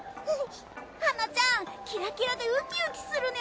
はなちゃんキラキラでウキウキするね！